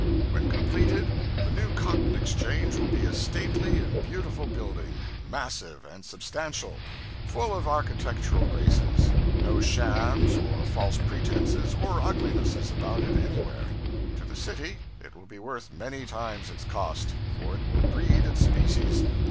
When completed, the new Cotton Exchange will be a stately and beautiful building; massive, substantial, full of architectural graces; no shams or false pretenses or uglinesses about it anywhere. To the city, it will be worth many times its cost, for it will breed its species.